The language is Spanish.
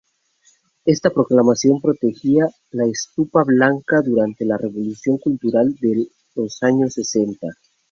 Esta proclamación protegía la estupa blanca durante la Revolución Cultural de los años sesenta.